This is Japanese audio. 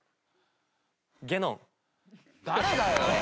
誰だよ！